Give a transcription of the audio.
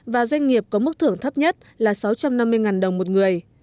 và doanh nghiệp có mức thưởng thấp nhất là sáu trăm năm mươi đồng một người